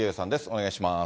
お願いします。